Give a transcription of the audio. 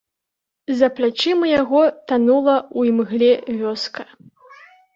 За плячыма яго танула ў імгле вёска.